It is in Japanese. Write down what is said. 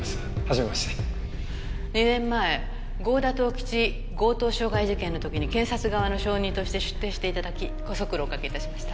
２年前郷田東吉強盗傷害事件の時に検察側の証人として出廷して頂きご足労をおかけ致しました。